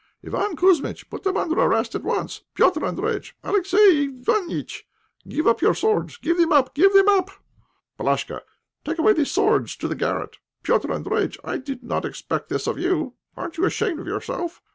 Iván Kouzmitch, put them under arrest at once. Petr' Andréjïtch, Alexey Iványtch, give up your swords, give them up give them up. Palashka, take away the swords to the garret. Petr' Andréjïtch, I did not expect this of you; aren't you ashamed of yourself?